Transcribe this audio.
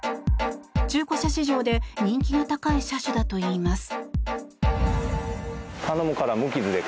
中古車市場で人気が高い車種だといいます。